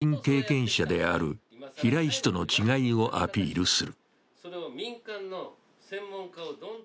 祖父、父ともに大臣経験者である平井氏との違いをアピールする。